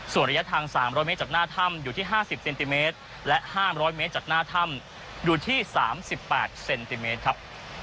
ส่วนระยะทางสามร้อยเมตรจากหน้าถ้ำอยู่ที่ห้าสิบเซนติเมตรและห้าร้อยเมตรจากหน้าถ้ำอยู่ที่สามสิบแปดเซนติเมตรครับ